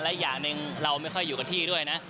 และอีกอย่างหนึ่งเราไม่ค่อยอยู่กับที่ด้วยนะ